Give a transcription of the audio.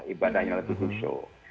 ibadahnya lebih busuk